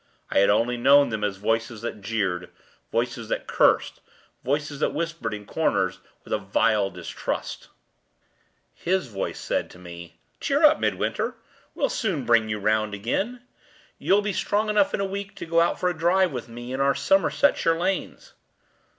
I had only known them as voices that jeered, voices that cursed, voices that whispered in corners with a vile distrust. His voice said to me, 'Cheer up, Midwinter! we'll soon bring you round again. You'll be strong enough in a week to go out for a drive with me in our Somersetshire lanes.